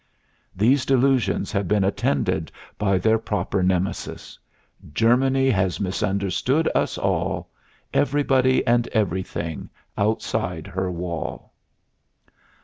These delusions have been attended by their proper Nemesis: Germany has misunderstood us all everybody and everything outside her wall.